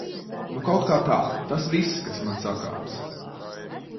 Nu kautkā tā. Tas viss, kas man sakāms.